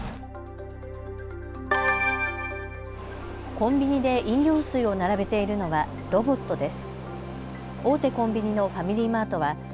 コンビニで飲料水を並べているのはロボットです。